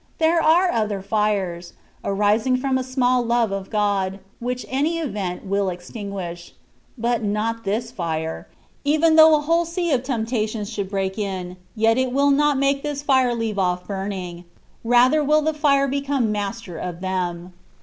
There are other fires, arising from a small love of God, which any event will extinguish ; but not this fire ; even though a whole sea of temptations should break in, yet it will not make this fire leave off burning ; rather will the fire become master of them.